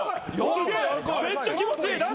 すげえめっちゃ気持ちいい何？